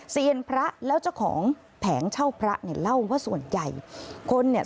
เซียนพระแล้วเจ้าของแผงเช่าพระเนี่ยเล่าว่าส่วนใหญ่คนเนี่ย